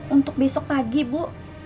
untuk besok pagi bu